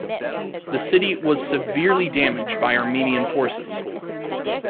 The city was severely damaged by Armenian forces.